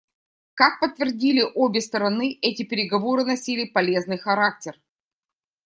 Как подтвердили обе стороны, эти переговоры носили полезный характер.